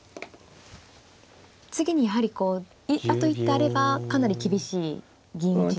次にやはりこうあと一手あればかなり厳しい銀打ちになる。